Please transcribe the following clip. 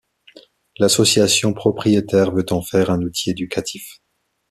L'association propriétaire veut en faire un outil éducatif.